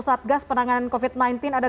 satgas penanganan covid sembilan belas ada